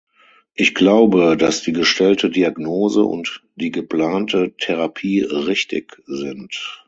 Ich glaube, dass die gestellte Diagnose und die geplante Therapie richtig sind.